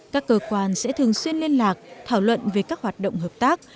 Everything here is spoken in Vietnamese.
các cơ quan sẽ thường xuyên liên lạc thảo luận về các hoạt động hợp tác